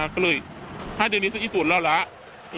ก็เลยถ้าเดี๋ยวนี้จะอิตุลเล่าแล้ว